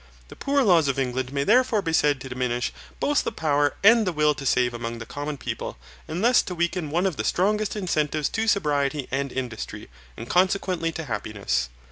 The poor laws of England may therefore be said to diminish both the power and the will to save among the common people, and thus to weaken one of the strongest incentives to sobriety and industry, and consequently to happiness.